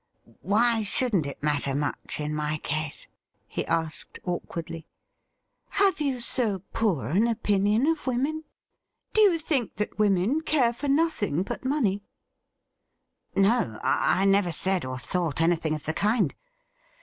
' Why shouldn't it matter much in my case .'" he asked awkwardly. ' Have you so poor an opinion of women .'' Do you think that women care for nothing but money T ' No ; I never said or thought anything of the kind.'